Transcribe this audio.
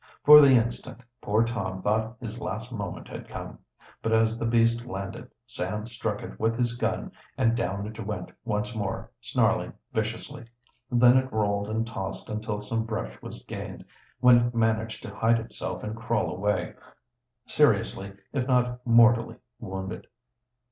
For the instant poor Tom thought his last moment had come. But as the beast landed Sam struck it with his gun, and down it went once more, snarling viciously. Then it rolled and tossed until some brush was gained, when it managed to hide itself and crawl away, seriously, if not mortally, wounded.